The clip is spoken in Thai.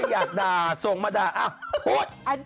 อยากด่าส่งมาด่าอ่ะขวด